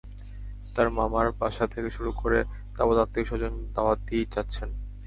তার মামার বাসা থেকে শুরু করে তাবৎ আত্মীয়স্বজন দাওয়াত দিয়েই যাচ্ছেন।